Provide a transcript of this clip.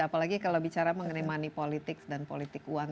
apalagi kalau bicara mengenai money politics dan politik uang